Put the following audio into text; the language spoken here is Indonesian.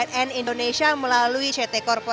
dan indonesia melalui ct corp